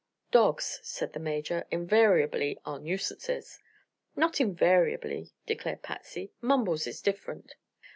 "Dogs," said the Major, "invariably are nuisances." "Not invariably," declared Patsy. "Mumbles is different.